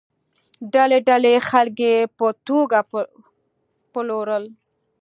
ډلې ډلې خلک یې په توګه پلورل.